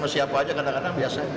masih siapu aja kadang kadang biasa